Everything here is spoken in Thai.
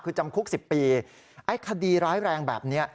คือจำคุก๑๐ปีไอ้คดีร้ายแรงแบบนี้